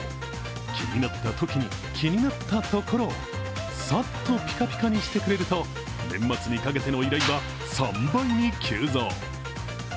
気になったときに気になったところをサッとピカピカにしてくれると年末にかけての依頼は３倍に急増。